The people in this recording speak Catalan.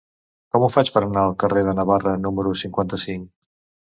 Com ho faig per anar al carrer de Navarra número cinquanta-cinc?